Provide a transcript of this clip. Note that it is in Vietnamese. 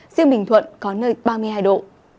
riêng bình thuận có nơi ba mươi hai độ